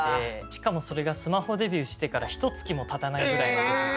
しかもそれがスマホデビューしてからひとつきもたたないぐらいの時で。